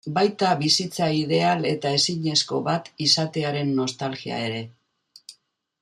Baita bizitza ideal eta ezinezko bat izatearen nostalgia ere.